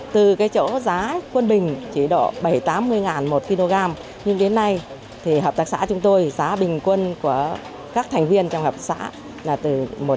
từ cái chỗ giá quân bình chỉ độ bảy mươi tám mươi ngàn một kg nhưng đến nay thì hợp tác xã chúng tôi giá bình quân của các thành viên trong hợp xã là từ một trăm linh